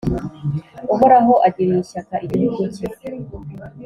Uhoraho agiriye ishyaka igihugu cye,